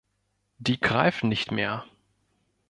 Die greifen nicht mehr.